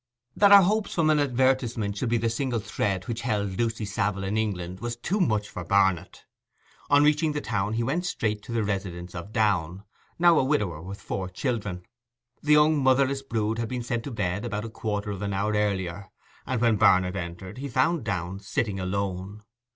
That her hopes from an advertisement should be the single thread which held Lucy Savile in England was too much for Barnet. On reaching the town he went straight to the residence of Downe, now a widower with four children. The young motherless brood had been sent to bed about a quarter of an hour earlier, and when Barnet entered he found Downe sitting alone.